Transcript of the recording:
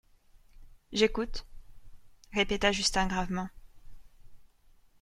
J'écoute, répéta Justin gravement.